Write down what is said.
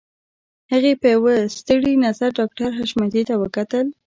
هغې په يوه ستړي نظر ډاکټر حشمتي ته وکتل.